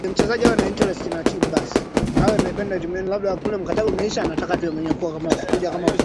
wa Brazil wanasema kuwa genge lake lilitambuliwa kama lenye